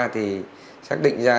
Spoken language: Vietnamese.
thì xác định ra